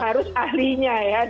harus ahlinya ya